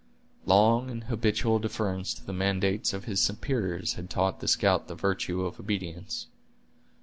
Long and habitual deference to the mandates of his superiors had taught the scout the virtue of obedience.